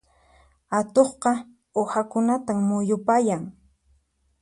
Atuqqa uhakunatan muyupayan.